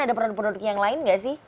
ada produk produk yang lain nggak sih